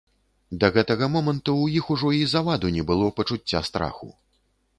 Да гэтага моманту ў іх ужо і заваду не было пачуцця страху.